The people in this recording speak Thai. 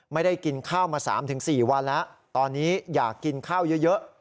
ไม่ได้กินข้าวมา๓๔วันแล้วตอนนี้อยากกินข้าวเยอะ